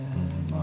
あ。